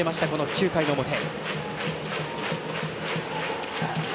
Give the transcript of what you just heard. ９回の表。